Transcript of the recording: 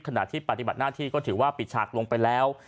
ขณะที่ปฏิบัติหน้าที่ก็ถือว่าปิดฉากลงไปแล้ว